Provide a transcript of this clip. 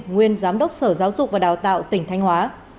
nguyên giám đốc sở giáo dục và đào tạo tỉnh thanh hóa